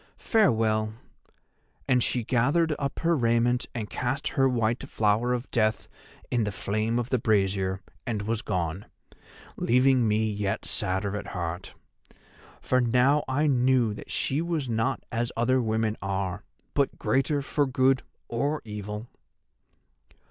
Farewell.' And she gathered up her raiment and cast her white flower of death in the flame of the brazier, and was gone, leaving me yet sadder at heart. For now I knew that she was not as other women are, but greater for good or evil.